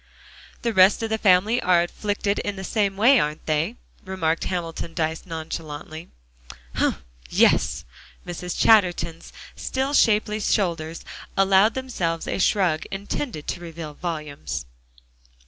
"The rest of the family are afflicted in the same way, aren't they?" remarked Hamilton Dyce nonchalantly. "Humph! yes." Mrs. Chatterton's still shapely shoulders allowed themselves a shrug intended to reveal volumes.